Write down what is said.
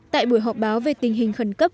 tại buổi họp báo về tình hình khẩn cấp